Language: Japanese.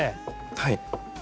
はい。